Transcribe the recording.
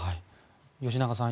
吉永さん